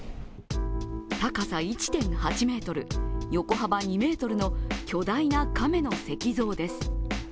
高さ１．８ｍ、横幅２ｍの巨大な亀の石像です。